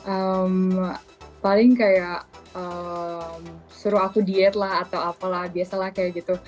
eh paling kayak suruh aku diet lah atau apalah biasa lah kayak gitu